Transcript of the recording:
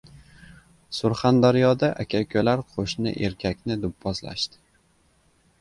Surxondaryoda aka-ukalar qo‘shni erkakni do‘pposlashdi